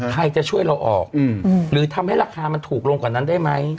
ใครจะช่วยเราออกหรือทำให้ราคามันถูกลงกว่านั้นได้ไหม